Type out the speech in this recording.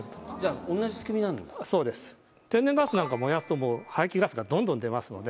天然ガスなんか燃やすと排気ガスがどんどん出ますので。